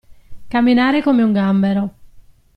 Camminare come un gambero.